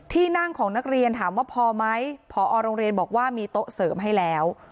ที่นั่งของนักเรียนถามว่าพอไหมพอโรงเรียนบอกว่ามีโต๊ะเสริมให้แล้ว